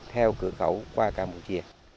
theo cửa khẩu qua campuchia